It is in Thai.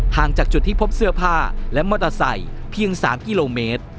จากจุดที่พบเสื้อผ้าและมอเตอร์ไซค์เพียง๓กิโลเมตร